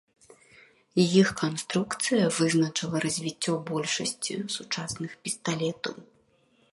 Іх канструкцыя вызначыла развіццё большасці сучасных пісталетаў.